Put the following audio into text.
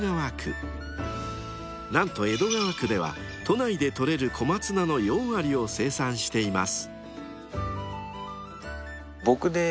［何と江戸川区では都内で採れる小松菜の４割を生産しています］